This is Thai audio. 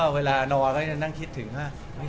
เวลานอนก็คิดถึงว่า